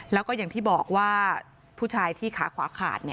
แล้วก็อย่างที่บอกว่าผู้ชายที่ขาขวาขาด